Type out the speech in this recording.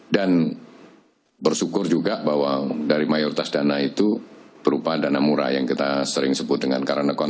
dan bersyukur juga bahwa dari mayoritas dana itu berupa dana murah yang kita sering sebut dengan